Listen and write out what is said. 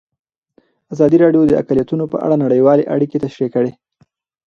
ازادي راډیو د اقلیتونه په اړه نړیوالې اړیکې تشریح کړي.